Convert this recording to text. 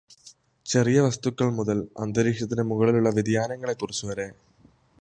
ചെറിയ വസ്തുക്കൾ മുതൽ അന്തരീക്ഷത്തിന്റെ മുകളിലുള്ള വ്യതിയാനങ്ങളെക്കുറിച്ച് വരെ